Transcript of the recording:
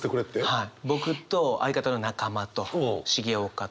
はい。